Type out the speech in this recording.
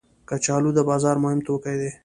کچالو د بازار مهم توکي دي